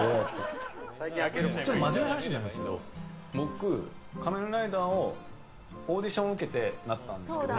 ちょっと真面目な話になるんですけど僕、仮面ライダーにオーディション受けてなったんですけど。